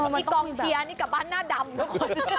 มีกองเชียร์นี่กลับบ้านหน้าดำทุกคน